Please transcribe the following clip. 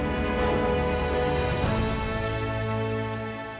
ipung masih hidup di luar biasa